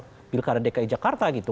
karena bilkara dki jakarta gitu